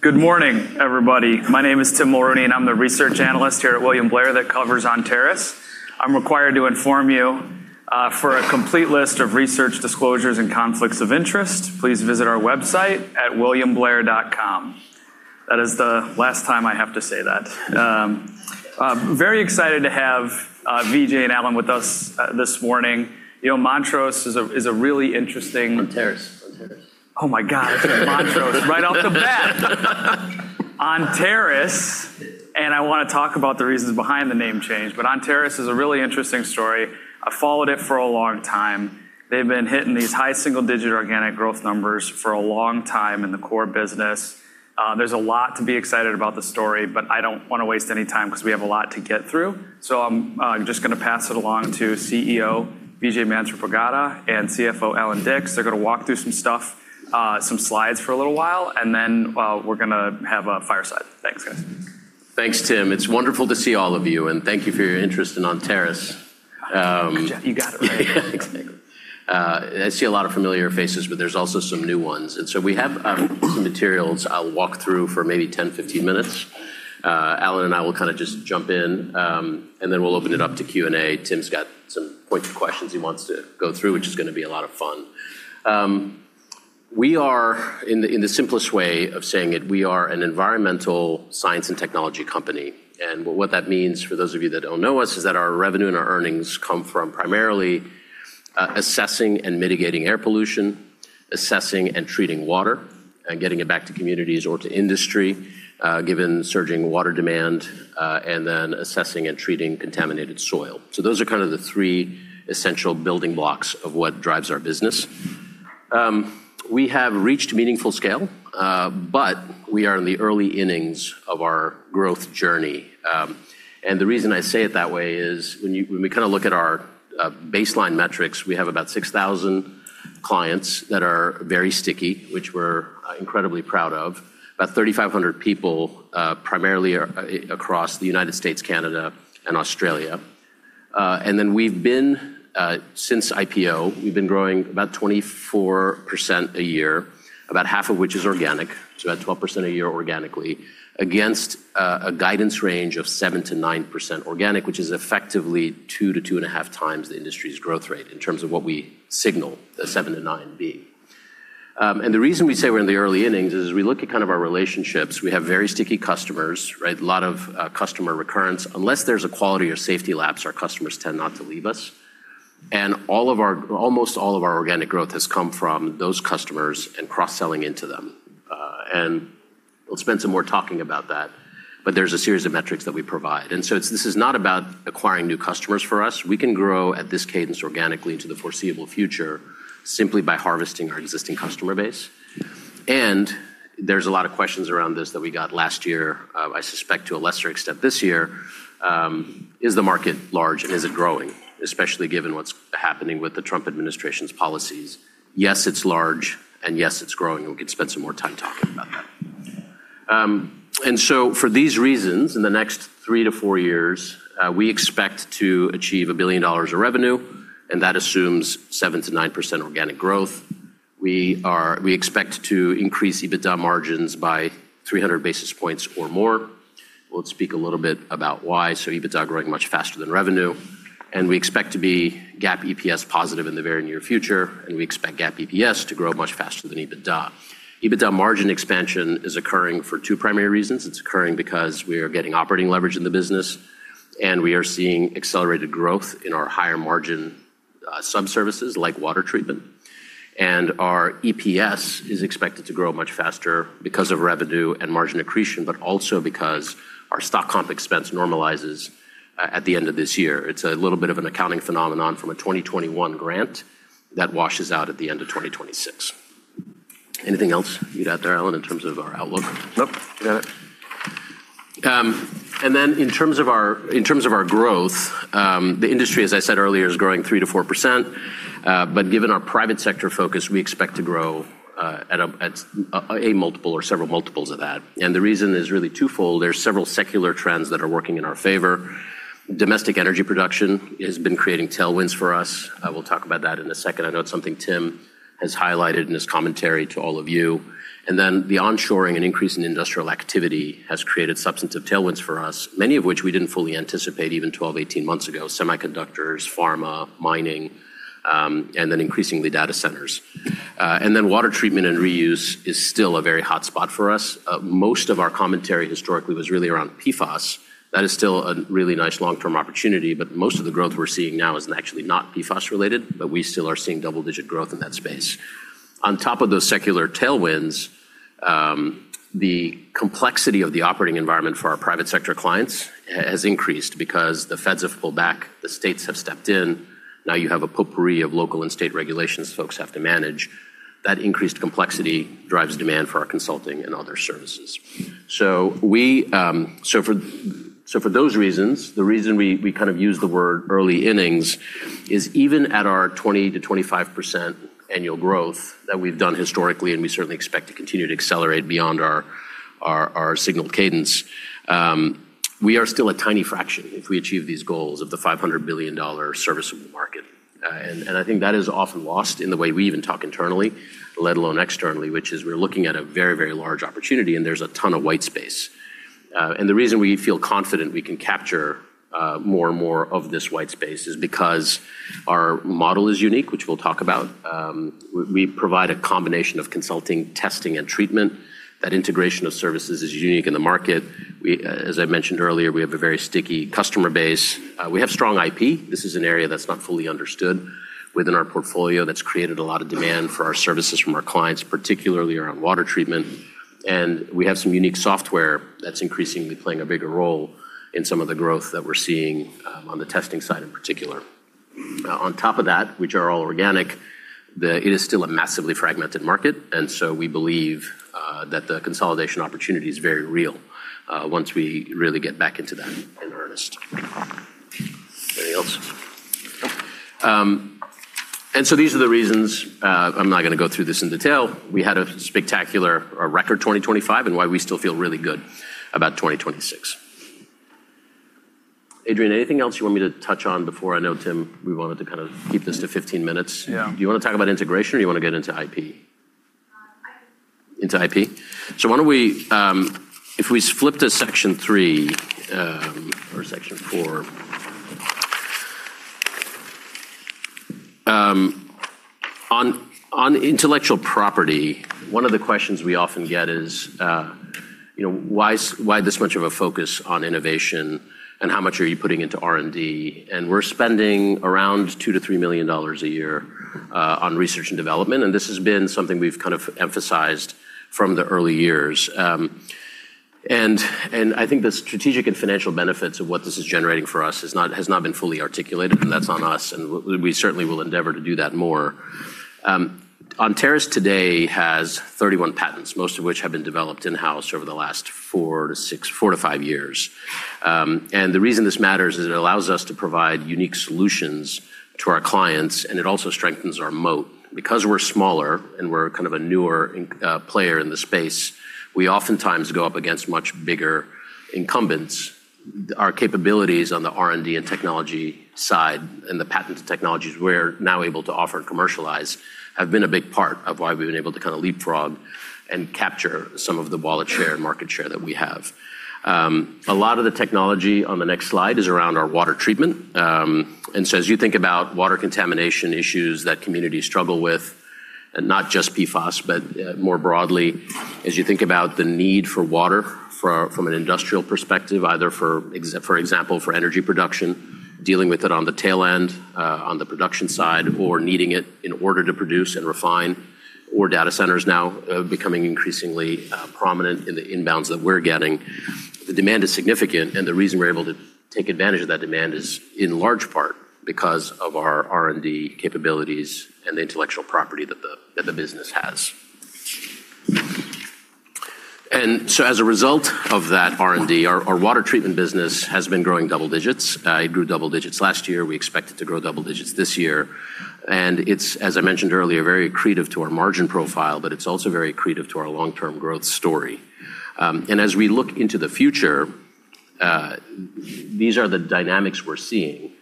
Good morning, everybody. My name is Tim Mulrooney, I'm the Research Analyst here at William Blair that covers Onterris. I'm required to inform you, for a complete list of research disclosures and conflicts of interest, please visit our website at williamblair.com. That is the last time I have to say that. Very excited to have Vijay and Allan with us this morning. Montrose is a really interesting. Onterris. Oh my God. I said Montrose right off the bat. Onterris. I want to talk about the reasons behind the name change. Onterris is a really interesting story. I've followed it for a long time. They've been hitting these high single-digit organic growth numbers for a long time in the core business. There's a lot to be excited about the story, but I don't want to waste any time because we have a lot to get through. I'm just going to pass it along to CEO Vijay Manthripragada and CFO Allan Dicks. They're going to walk through some stuff, some slides for a little while, and then we're going to have a fireside. Thanks, guys. Thanks, Tim. It's wonderful to see all of you, and thank you for your interest in Onterris. You got it right. Yeah, exactly. I see a lot of familiar faces, but there's also some new ones. We have some materials I'll walk through for maybe 10, 15 minutes. Allan and I will just jump in, then we'll open it up to Q&A. Tim's got some pointed questions he wants to go through, which is going to be a lot of fun. We are, in the simplest way of saying it, we are an environmental science and technology company. What that means, for those of you that don't know us, is that our revenue and our earnings come from primarily assessing and mitigating air pollution, assessing and treating water, and getting it back to communities or to industry, given surging water demand, and then assessing and treating contaminated soil. Those are kind of the three essential building blocks of what drives our business. We have reached meaningful scale, but we are in the early innings of our growth journey. The reason I say it that way is when we look at our baseline metrics, we have about 6,000 clients that are very sticky, which we're incredibly proud of. About 3,500 people, primarily across the United States, Canada, and Australia. Then since IPO, we've been growing about 24% a year, about half of which is organic. About 12% a year organically against a guidance range of 7%-9% organic, which is effectively two to two and a half times the industry's growth rate in terms of what we signal the seven to nine be. The reason we say we're in the early innings is we look at our relationships. We have very sticky customers, right? A lot of customer recurrence. Unless there's a quality or safety lapse, our customers tend not to leave us. Almost all of our organic growth has come from those customers and cross-selling into them. We'll spend some more time talking about that, but there's a series of metrics that we provide. This is not about acquiring new customers for us. We can grow at this cadence organically into the foreseeable future simply by harvesting our existing customer base. There's a lot of questions around this that we got last year, I suspect to a lesser extent this year. Is the market large and is it growing, especially given what's happening with the Trump administration's policies? Yes, it's large, yes, it's growing, we can spend some more time talking about that. For these reasons, in the next three to four years, we expect to achieve $1 billion of revenue, and that assumes 7%-9% organic growth. We expect to increase EBITDA margins by 300 basis points or more. We'll speak a little bit about why. EBITDA growing much faster than revenue. We expect to be GAAP EPS positive in the very near future, and we expect GAAP EPS to grow much faster than EBITDA. EBITDA margin expansion is occurring for two primary reasons. It's occurring because we are getting operating leverage in the business, and we are seeing accelerated growth in our higher margin sub-services, like water treatment. Our EPS is expected to grow much faster because of revenue and margin accretion, but also because our stock comp expense normalizes at the end of this year. It's a little bit of an accounting phenomenon from a 2021 grant that washes out at the end of 2026. Anything else you'd add there, Allan, in terms of our outlook? Nope, you got it. In terms of our growth, the industry as I said earlier is growing 3%-4%, but given our private sector focus, we expect to grow at a multiple or several multiples of that. The reason is really twofold. There's several secular trends that are working in our favor. Domestic energy production has been creating tailwinds for us. I will talk about that in a second. I know it's something Tim has highlighted in his commentary to all of you. The onshoring and increase in industrial activity has created substantive tailwinds for us, many of which we didn't fully anticipate even 12, 18 months ago, semiconductors, pharma, mining, then increasingly data centers. Water treatment and reuse is still a very hot spot for us. Most of our commentary historically was really around PFAS. That is still a really nice long-term opportunity, but most of the growth we're seeing now is actually not PFAS related, but we still are seeing double-digit growth in that space. On top of those secular tailwinds, the complexity of the operating environment for our private sector clients has increased because the feds have pulled back, the states have stepped in. Now you have a potpourri of local and state regulations folks have to manage. That increased complexity drives demand for our consulting and other services. For those reasons, the reason we use the word early innings is even at our 20%-25% annual growth that we've done historically, and we certainly expect to continue to accelerate beyond our signaled cadence, we are still a tiny fraction if we achieve these goals of the $500 billion serviceable market. I think that is often lost in the way we even talk internally, let alone externally, which is we're looking at a very, very large opportunity, and there's a ton of white space. The reason we feel confident we can capture more and more of this white space is because our model is unique, which we'll talk about. We provide a combination of consulting, testing, and treatment. That integration of services is unique in the market. As I mentioned earlier, we have a very sticky customer base. We have strong IP. This is an area that's not fully understood within our portfolio that's created a lot of demand for our services from our clients, particularly around water treatment. We have some unique software that's increasingly playing a bigger role in some of the growth that we're seeing on the testing side in particular. On top of that, which are all organic, it is still a massively fragmented market, we believe that the consolidation opportunity is very real once we really get back into that in earnest. Anything else? These are the reasons, I'm not going to go through this in detail. We had a spectacular record 2025 and why we still feel really good about 2026. Adrian, anything else you want me to touch on? I know, Tim, we wanted to keep this to 15 minutes. Yeah. Do you want to talk about integration, or do you want to get into IP? IP. Into IP? If we flip to section three or section four. On intellectual property, one of the questions we often get is, why this much of a focus on innovation, and how much are you putting into R&D? We're spending around $2 million-$3 million a year on research and development, and this has been something we've emphasized from the early years. I think the strategic and financial benefits of what this is generating for us has not been fully articulated, and that's on us, and we certainly will endeavor to do that more. Onterris today has 31 patents, most of which have been developed in-house over the last four to five years. The reason this matters is it allows us to provide unique solutions to our clients, and it also strengthens our moat. Because we're smaller and we're a newer player in the space, we oftentimes go up against much bigger incumbents. Our capabilities on the R&D and technology side and the patented technologies we're now able to offer and commercialize have been a big part of why we've been able to leapfrog and capture some of the wallet share and market share that we have. A lot of the technology on the next slide is around our water treatment. As you think about water contamination issues that communities struggle with, and not just PFAS, but more broadly as you think about the need for water from an industrial perspective, either, for example, for energy production, dealing with it on the tail end, on the production side, or needing it in order to produce and refine, or data centers now becoming increasingly prominent in the inbounds that we're getting. The demand is significant, and the reason we're able to take advantage of that demand is in large part because of our R&D capabilities and the intellectual property that the business has. As a result of that R&D, our water treatment business has been growing double digits. It grew double digits last year. We expect it to grow double digits this year. It's, as I mentioned earlier, very accretive to our margin profile, but it's also very accretive to our long-term growth story. As we look into the future, these are the dynamics we're seeing.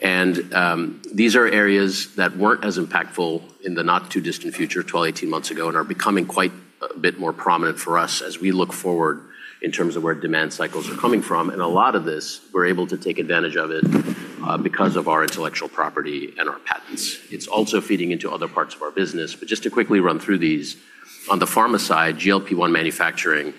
These are areas that weren't as impactful in the not-too-distant future, 12, 18 months ago, and are becoming quite a bit more prominent for us as we look forward in terms of where demand cycles are coming from. A lot of this, we're able to take advantage of it because of our intellectual property and our patents. It's also feeding into other parts of our business. Just to quickly run through these, on the pharma side, GLP-1 manufacturing,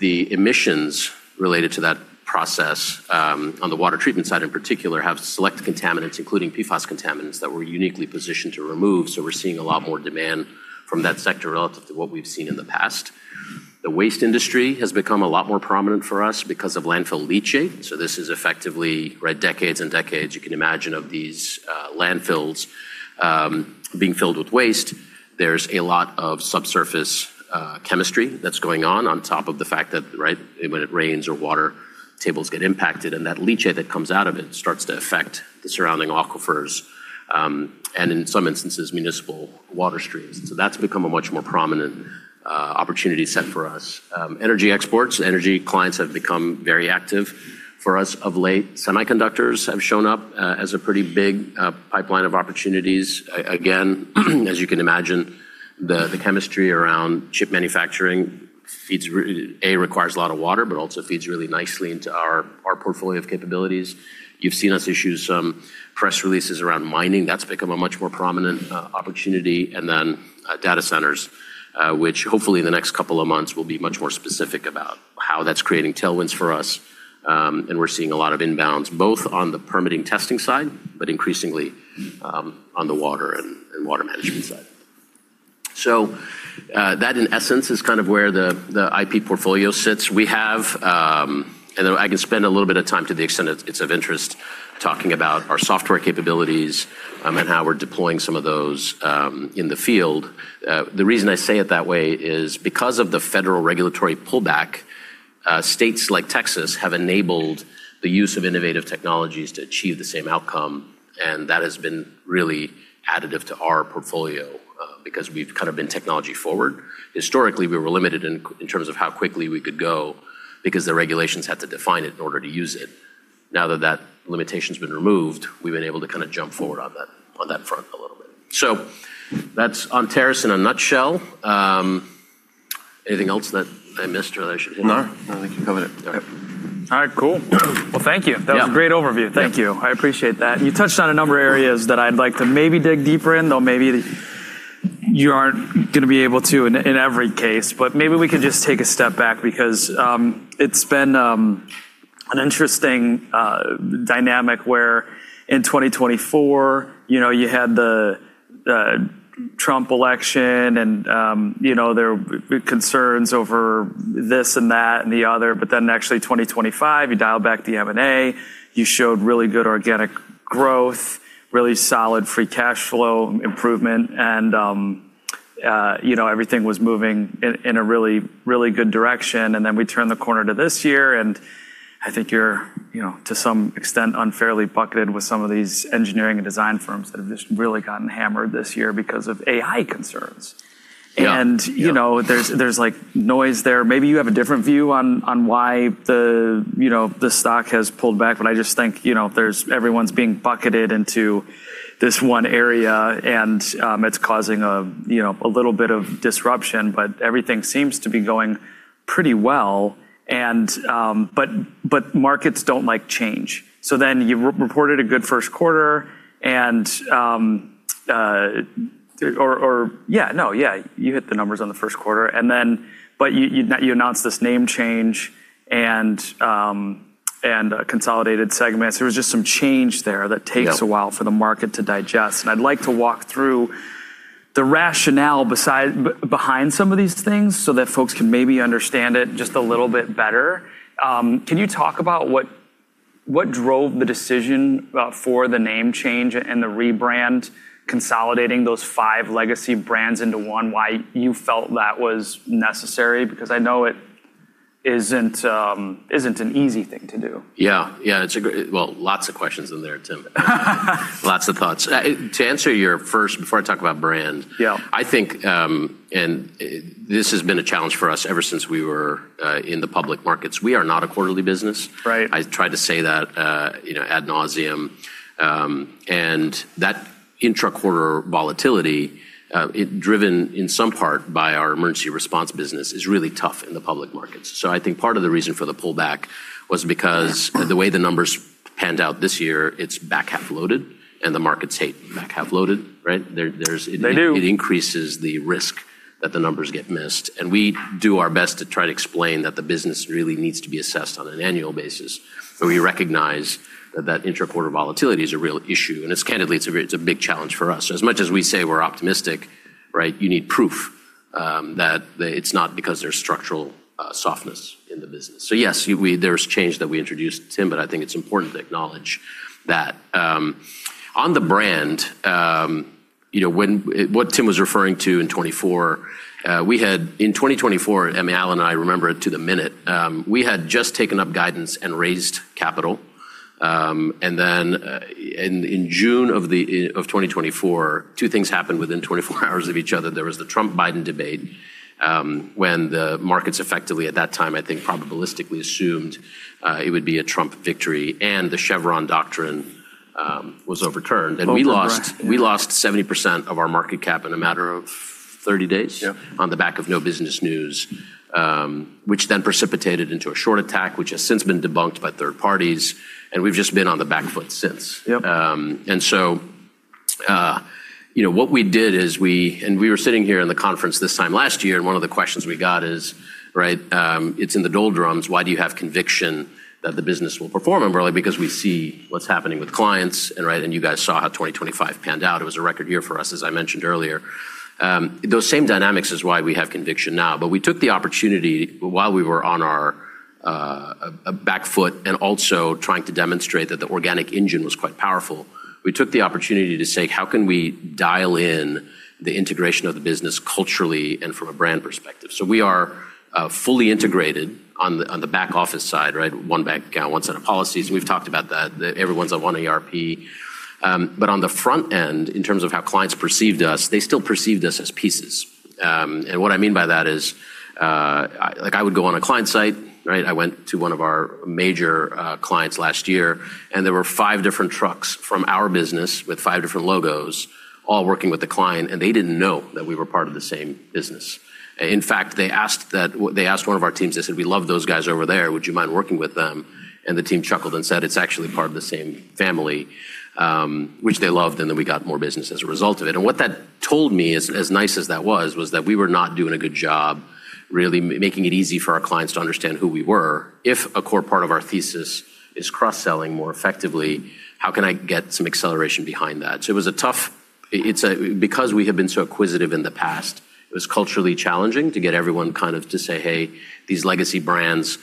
the emissions related to that process on the water treatment side, in particular, have select contaminants, including PFAS contaminants, that we're uniquely positioned to remove. We're seeing a lot more demand from that sector relative to what we've seen in the past. The waste industry has become a lot more prominent for us because of landfill leachate. This is effectively decades and decades, you can imagine of these landfills being filled with waste. There's a lot of subsurface chemistry that's going on top of the fact that when it rains or water tables get impacted, and that leachate that comes out of it starts to affect the surrounding aquifers, and in some instances, municipal water streams. That's become a much more prominent opportunity set for us. Energy exports. Energy clients have become very active for us of late. Semiconductors have shown up as a pretty big pipeline of opportunities. Again, as you can imagine, the chemistry around chip manufacturing, A, requires a lot of water, but also feeds really nicely into our portfolio of capabilities. You've seen us issue some press releases around mining. That's become a much more prominent opportunity. Data centers, which hopefully in the next couple of months will be much more specific about how that's creating tailwinds for us. We're seeing a lot of inbounds, both on the permitting testing side, but increasingly on the water and water management side. That, in essence, is where the IP portfolio sits. I can spend a little bit of time to the extent it's of interest talking about our software capabilities and how we're deploying some of those in the field. The reason I say it that way is because of the federal regulatory pullback, states like Texas have enabled the use of innovative technologies to achieve the same outcome, and that has been really additive to our portfolio. Because we've kind of been technology forward. Historically, we were limited in terms of how quickly we could go because the regulations had to define it in order to use it. Now that that limitation's been removed, we've been able to jump forward on that front a little bit. That's Onterris in a nutshell. Anything else that I missed or that I should hit on? No. No, I think you covered it. All right. All right, cool. Well, thank you. Yeah. That was a great overview. Thank you. I appreciate that. You touched on a number of areas that I'd like to maybe dig deeper in, though maybe you aren't going to be able to in every case. Maybe we could just take a step back because it's been an interesting dynamic where in 2024, you had the Trump election and there were concerns over this and that and the other. Actually 2025, you dialed back the M&A, you showed really good organic growth, really solid free cash flow improvement, and everything was moving in a really good direction. We turn the corner to this year, and I think you're, to some extent, unfairly bucketed with some of these engineering and design firms that have just really gotten hammered this year because of AI concerns. Yeah. There's noise there. Maybe you have a different view on why the stock has pulled back, but I just think everyone's being bucketed into this one area, and it's causing a little bit of disruption, but everything seems to be going pretty well. Markets don't like change. You reported a good first quarter and-- or yeah, no. Yeah, you hit the numbers on the first quarter. You announced this name change and consolidated segments. There was just some change there that takes- Yeah. ...a while for the market to digest. I'd like to walk through the rationale behind some of these things so that folks can maybe understand it just a little bit better. Can you talk about what drove the decision for the name change and the rebrand, consolidating those five legacy brands into one, why you felt that was necessary? I know it isn't an easy thing to do. Yeah. Well, lots of questions in there, Tim. Lots of thoughts. To answer your first, before I talk about brand. Yeah. I think, this has been a challenge for us ever since we were in the public markets. We are not a quarterly business. Right. I try to say that ad nauseam. That intra-quarter volatility, driven in some part by our emergency response business, is really tough in the public markets. I think part of the reason for the pullback was because the way the numbers panned out this year, it's back-half loaded and the markets hate back-half loaded, right? They do. It increases the risk that the numbers get missed. We do our best to try to explain that the business really needs to be assessed on an annual basis. We recognize that that intra-quarter volatility is a real issue, and candidly, it's a big challenge for us. As much as we say we're optimistic, you need proof that it's not because there's structural softness in the business. Yes, there's change that we introduced, Tim, but I think it's important to acknowledge that. On the brand, what Tim was referring to in 2024, we had in 2024, and Allan and I remember it to the minute, we had just taken up guidance and raised capital. Then in June of 2024, two things happened within 24 hours of each other. There was the Trump-Biden debate, when the markets effectively, at that time, I think probabilistically assumed it would be a Trump victory, and the Chevron doctrine was overturned. Overturned, right. Yeah. We lost 70% of our market cap in a matter of 30 days. Yeah. On the back of no business news, which then precipitated into a short attack, which has since been debunked by third parties, and we've just been on the back foot since. Yep. What we did is we were sitting here in the conference this time last year, one of the questions we got is, "It's in the doldrums. Why do you have conviction that the business will perform?" We're like, "Because we see what's happening with clients," you guys saw how 2025 panned out. It was a record year for us, as I mentioned earlier. Those same dynamics is why we have conviction now. We took the opportunity while we were on our back foot and also trying to demonstrate that the organic engine was quite powerful. We took the opportunity to say, "How can we dial in the integration of the business culturally and from a brand perspective?" We are fully integrated on the back office side, right? One bank account, one set of policies, and we've talked about that everyone's on one ERP. On the front end, in terms of how clients perceived us, they still perceived us as pieces. What I mean by that is, I would go on a client site. I went to one of our major clients last year, and there were five different trucks from our business with five different logos all working with the client, and they didn't know that we were part of the same business. In fact, they asked one of our teams, they said, "We love those guys over there. Would you mind working with them?" The team chuckled and said, "It's actually part of the same family." Which they loved, and then we got more business as a result of it. What that told me, as nice as that was that we were not doing a good job really making it easy for our clients to understand who we were. If a core part of our thesis is cross-selling more effectively, how can I get some acceleration behind that? Because we have been so acquisitive in the past, it was culturally challenging to get everyone to say, "Hey, these legacy brands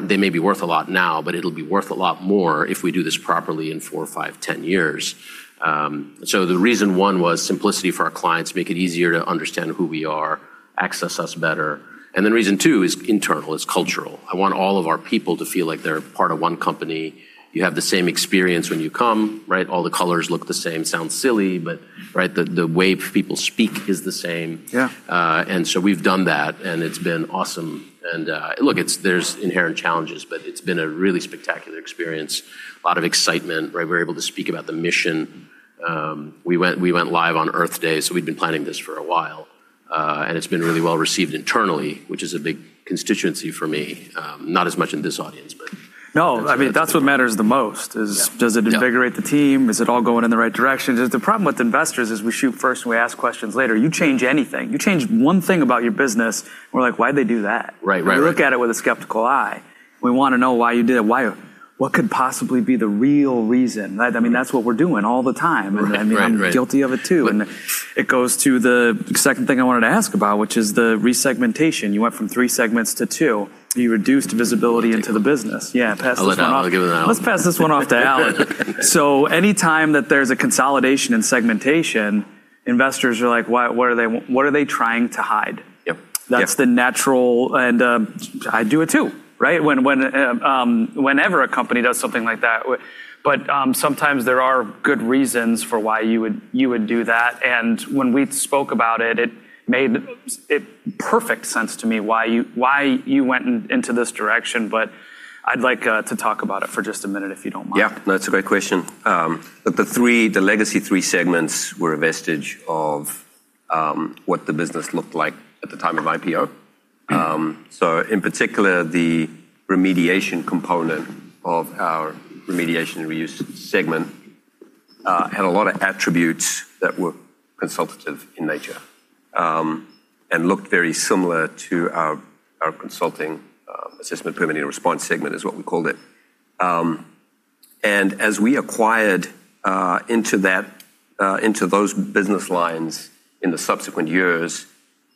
they may be worth a lot now, but it'll be worth a lot more if we do this properly in four, five, 10 years. The reason one was simplicity for our clients, make it easier to understand who we are, access us better. Then reason two is internal, it's cultural. I want all of our people to feel like they're part of one company. You have the same experience when you come, right? All the colors look the same. Sounds silly, but right? The way people speak is the same. Yeah. We've done that, and it's been awesome. Look, there's inherent challenges, but it's been a really spectacular experience. A lot of excitement, right? We're able to speak about the mission. We went live on Earth Day, so we'd been planning this for a while. It's been really well-received internally, which is a big constituency for me, not as much in this audience. No, that's what matters the most. Yeah. Does it invigorate the team? Is it all going in the right direction? The problem with investors is we shoot first and we ask questions later. You change anything, you change one thing about your business, we're like, "Why'd they do that? Right. We look at it with a skeptical eye. We want to know why you did it, what could possibly be the real reason? That's what we're doing all the time. Right. I'm guilty of it, too. It goes to the second thing I wanted to ask about, which is the re-segmentation. You went from three segments to two. You reduced visibility into the business. Yeah, pass this one off. I'll let Allan I'll give it to Allan. Let's pass this one off to Allan. Anytime that there's a consolidation in segmentation, investors are like, "What are they trying to hide? Yep. That's the natural And I do it, too, right? Whenever a company does something like that. Sometimes there are good reasons for why you would do that. When we spoke about it made perfect sense to me why you went into this direction, but I'd like to talk about it for just a minute, if you don't mind. Yeah. No, it's a great question. The legacy three segments were a vestige of what the business looked like at the time of IPO. In particular, the remediation component of our Remediation and Reuse Segment had a lot of attributes that were consultative in nature, and looked very similar to our Consulting Assessment, Permitting, and Response Segment, is what we called it. As we acquired into those business lines in the subsequent years,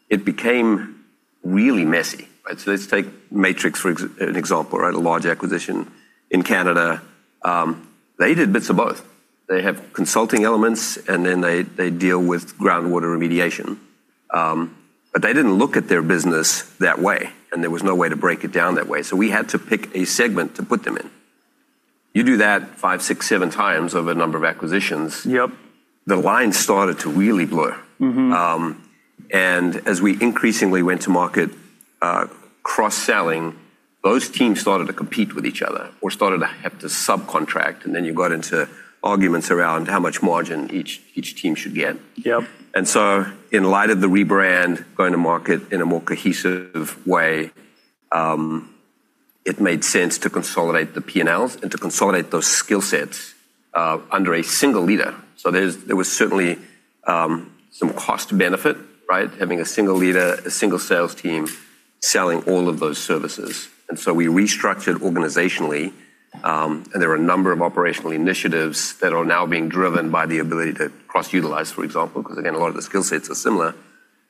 it became really messy, right? Let's take Matrix for an example, right? A large acquisition in Canada. They did bits of both. They have consulting elements, and then they deal with groundwater remediation. They didn't look at their business that way, and there was no way to break it down that way. We had to pick a segment to put them in. You do that five, six, seven times over a number of acquisitions. Yep. The lines started to really blur. As we increasingly went to market cross-selling, those teams started to compete with each other or started to have to subcontract, and then you got into arguments around how much margin each team should get. Yep. In light of the rebrand, going to market in a more cohesive way, it made sense to consolidate the P&Ls and to consolidate those skill sets under a single leader. There was certainly some cost benefit, right? Having a single leader, a single sales team selling all of those services. We restructured organizationally, and there are a number of operational initiatives that are now being driven by the ability to cross-utilize, for example, because, again, a lot of the skill sets are similar.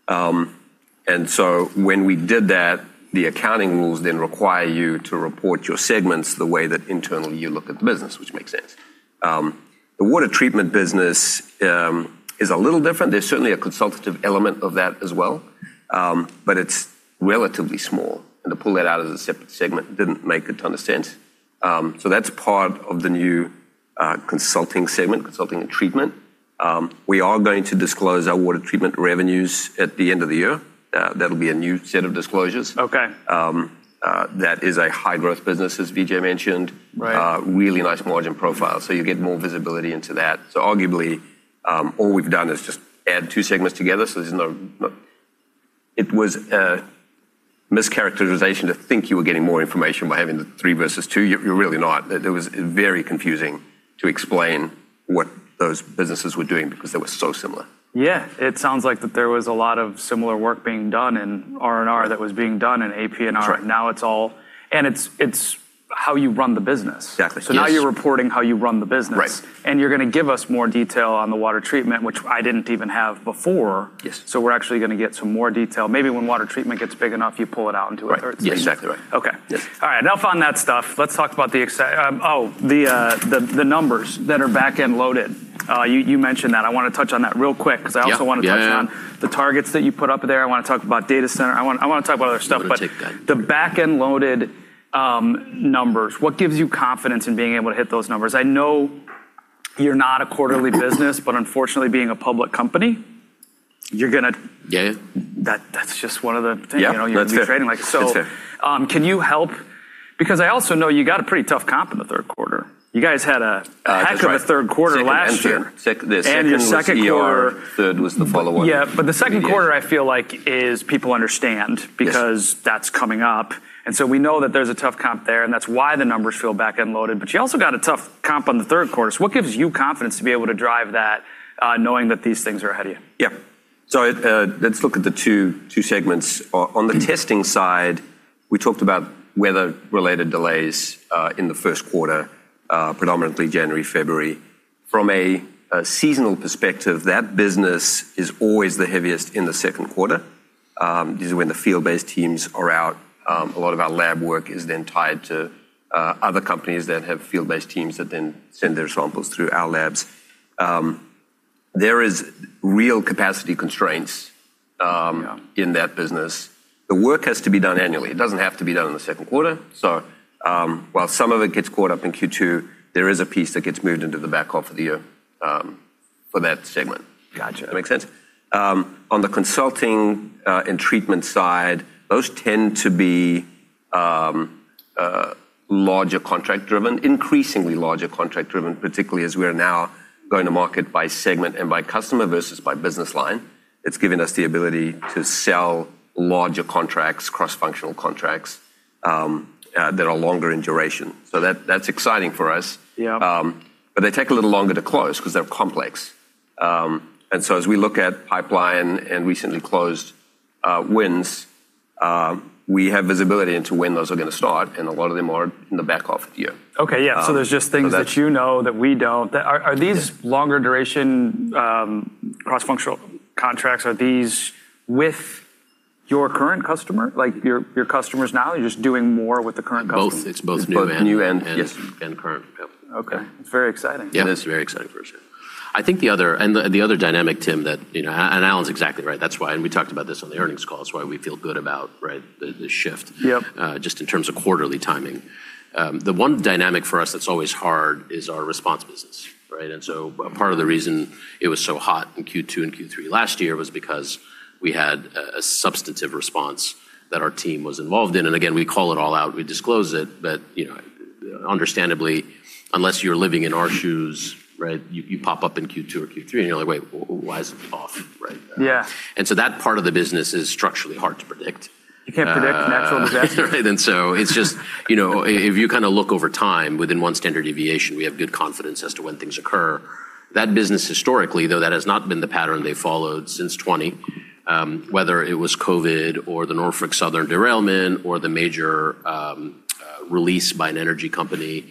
When we did that, the accounting rules then require you to report your segments the way that internally you look at the business, which makes sense. The water treatment business is a little different. There's certainly a consultative element of that as well. It's relatively small, and to pull that out as a separate segment didn't make a ton of sense. That's part of the new Consulting Segment, Consulting and Treatment. We are going to disclose our water treatment revenues at the end of the year. That'll be a new set of disclosures. Okay. That is a high-growth business, as Vijay mentioned. Right. Really nice margin profile. You'll get more visibility into that. Arguably, all we've done is just add two segments together. It was a mischaracterization to think you were getting more information by having the three versus two. You're really not. It was very confusing to explain what those businesses were doing because they were so similar. Yeah. It sounds like that there was a lot of similar work being done in R&R that was being done in AP&R. That's right. It's how you run the business. Exactly. Yes. Now you're reporting how you run the business. Right. You're going to give us more detail on the water treatment, which I didn't even have before. Yes. We're actually going to get some more detail. Maybe when water treatment gets big enough, you pull it out into a third segment. Right. Yeah, exactly right. Okay. Yes. All right. Enough on that stuff. Let's talk about the numbers that are backend loaded. You mentioned that. I want to touch on that real quick because I also want to touch on. Yeah. The targets that you put up there. I want to talk about data center. I want to talk about other stuff. I want to take that. The backend loaded numbers, what gives you confidence in being able to hit those numbers? I know you're not a quarterly business, but unfortunately, being a public company. Yeah, yeah. That's just one of the things. Yeah. That's fair. You'll be trading like a. Can you help? I also know you got a pretty tough comp in the third quarter. You guys had a heck of a third quarter last year. That's right. Second was there. Second was ER- Your second quarter. third was the follow-on. Yeah. The second quarter, I feel like is people understand. Yes because that's coming up. We know that there's a tough comp there, and that's why the numbers feel backend loaded. You also got a tough comp on the third quarter. What gives you confidence to be able to drive that, knowing that these things are ahead of you? Yeah. Let's look at the two segments. On the testing side, we talked about weather-related delays in the first quarter, predominantly January, February. From a seasonal perspective, that business is always the heaviest in the second quarter. This is when the field-based teams are out. A lot of our lab work is then tied to other companies that have field-based teams that then send their samples through our labs. There is real capacity constraints- Yeah. ...in that business. The work has to be done annually. It doesn't have to be done in the second quarter. While some of it gets caught up in Q2, there is a piece that gets moved into the back half of the year for that segment. Got you. That make sense? On the Consulting and Treatment side, those tend to be larger contract-driven, increasingly larger contract-driven, particularly as we are now going to market by segment and by customer versus by business line. It's given us the ability to sell larger contracts, cross-functional contracts, that are longer in duration. That's exciting for us. Yeah. They take a little longer to close because they're complex. As we look at pipeline and recently closed wins, we have visibility into when those are going to start, and a lot of them are in the back half of the year. Okay. Yeah. There's just things that you know that we don't. Are these longer duration, cross-functional contracts, are these with your current customer? Like your customers now? You're just doing more with the current customers. Both. It's both new and yes. Current, yep. Okay. It's very exciting. Yeah. It is very exciting for us, yeah. The other dynamic, Tim, that Allan's exactly right. That's why, and we talked about this on the earnings call, is why we feel good about, right, the shift- Yep ..just in terms of quarterly timing. The one dynamic for us that's always hard is our response business, right? Part of the reason it was so hot in Q2 and Q3 last year was because we had a substantive response that our team was involved in. Again, we call it all out, we disclose it. Understandably, unless you're living in our shoes, right, you pop up in Q2 or Q3, and you're like, "Wait, why is it off?" Right? Yeah. That part of the business is structurally hard to predict. You can't predict natural disaster. Right. It's just, if you kind of look over time, within one standard deviation, we have good confidence as to when things occur. That business historically, though, that has not been the pattern they followed since 2020. Whether it was COVID, or the Norfolk Southern derailment, or the major release by an energy company,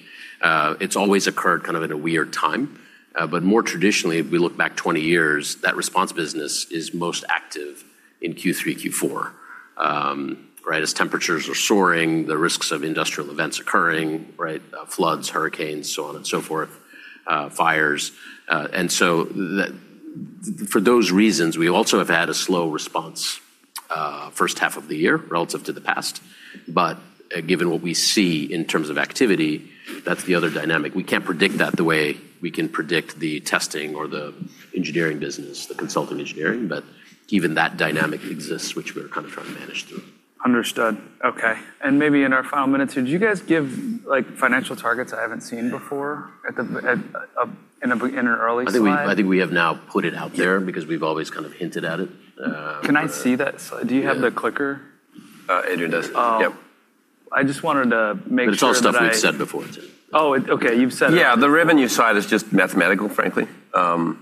it's always occurred kind of in a weird time. More traditionally, if we look back 20 years, that response business is most active in Q3, Q4, right? As temperatures are soaring, the risks of industrial events occurring, right? Floods, hurricanes, so on and so forth, fires. For those reasons, we also have had a slow response first half of the year relative to the past. Given what we see in terms of activity, that's the other dynamic. We can't predict that the way we can predict the testing or the engineering business, the consulting engineering. Given that dynamic exists, which we're kind of trying to manage through. Understood. Okay. Maybe in our final minute or two, do you guys give financial targets I haven't seen before in an early slide? I think we have now put it out there because we've always kind of hinted at it. Can I see that slide? Yeah. Do you have the clicker? Andy does, yep. I just wanted to make sure that I- It's all stuff we've said before, Tim. Oh, okay. You've said it. Yeah. The revenue side is just mathematical, frankly. Oh,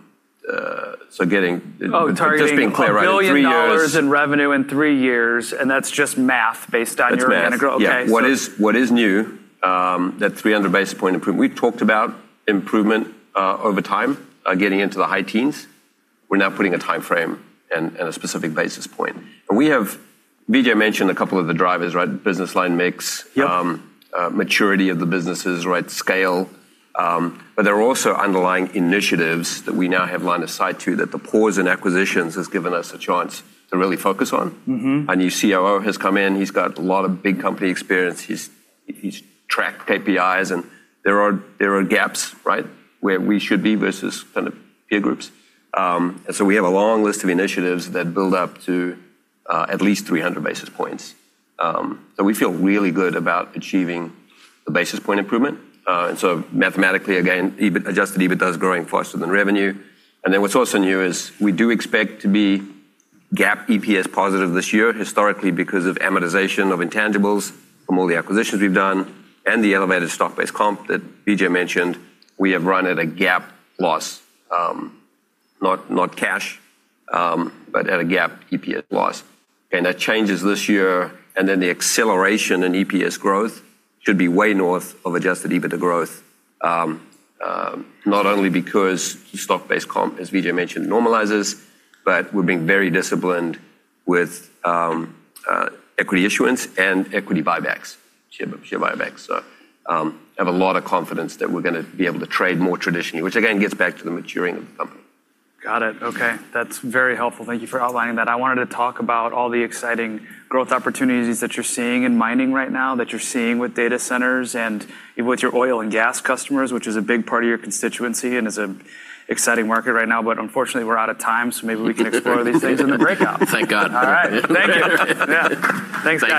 targeting $1 billion in revenue in three years, and that's just math based on your integral. That's math. Okay. Yeah. What is new, that 300 basis point improvement. We've talked about improvement over time, getting into the high teens. We're now putting a timeframe and a specific basis point. Vijay mentioned a couple of the drivers, right? Business line mix- Yep maturity of the businesses, right, scale. There are also underlying initiatives that we now have line of sight to, that the pause in acquisitions has given us a chance to really focus on. Our new COO has come in. He's got a lot of big company experience. He's tracked KPIs, and there are gaps, right, where we should be versus kind of peer groups. We have a long list of initiatives that build up to at least 300 basis points. We feel really good about achieving the basis point improvement. Mathematically, again, adjusted EBITDA is growing faster than revenue. What's also new is we do expect to be GAAP EPS positive this year. Historically, because of amortization of intangibles from all the acquisitions we've done and the elevated stock-based comp that Vijay mentioned, we have run at a GAAP loss. Not cash, but at a GAAP EPS loss. That changes this year, and then the acceleration in EPS growth should be way north of adjusted EBITDA growth, not only because the stock-based comp, as Vijay mentioned, normalizes, but we're being very disciplined with equity issuance and equity buybacks, share buybacks. Have a lot of confidence that we're going to be able to trade more traditionally. Which again, gets back to the maturing of the company. Got it. Okay. That's very helpful. Thank you for outlining that. I wanted to talk about all the exciting growth opportunities that you're seeing in mining right now, that you're seeing with data centers, and with your oil and gas customers, which is a big part of your constituency and is an exciting market right now. Unfortunately, we're out of time, so maybe we can explore these things in the breakout. Thank God. All right. Thank you. Yeah. Thanks, guys.